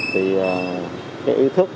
thì ý thức